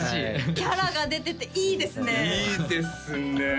キャラが出てていいですねいいですね